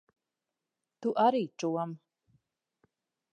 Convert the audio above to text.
Tu arī, čom.